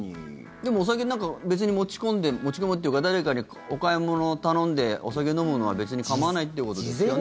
でも、お酒持ち込んで持ち込むというか誰かにお買い物を頼んでお酒飲むのは別に構わないっていうことですよね。